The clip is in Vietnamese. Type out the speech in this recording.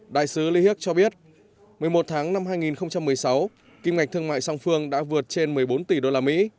đại sứ lý hiếc cho biết một mươi một tháng năm hai nghìn một mươi sáu kim ngạch thương mại song phương đã vượt trên một mươi bốn tỷ usd